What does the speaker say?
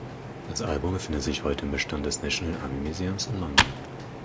Das Album befindet sich heute im Bestand des National Army Museums in London.